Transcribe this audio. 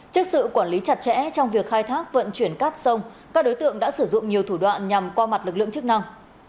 trước sự quản lý chặt chẽ trong việc khai thác vận chuyển cát sông các đối tượng đã sử dụng nhiều thủ đoạn nhằm qua mặt lực lượng chức năng